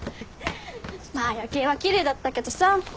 まあ夜景は奇麗だったけどさ。